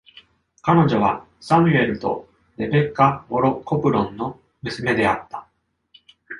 彼女はサミュエルとレベッカ・モロ・コプロンの娘であった。